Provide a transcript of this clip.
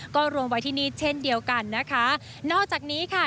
ก็รวมไว้ที่นี่เช่นเดียวกันนะคะนอกจากนี้ค่ะ